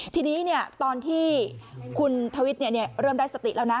ทีนี้เนี่ยตอนที่คุณทวิทย์เนี่ยเริ่มได้สติแล้วนะ